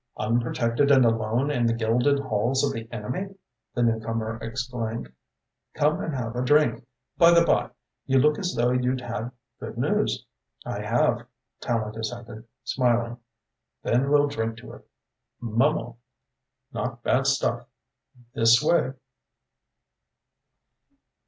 "Unprotected and alone in the gilded halls of the enemy!" the newcomer exclaimed. "Come and have a drink. By the by, you look as though you'd had good news." "I have," Tallente assented, smiling. "Then we'll drink to it Mum'll. Not bad stuff. This way."